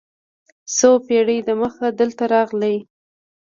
څو پېړۍ دمخه دلته راغلي.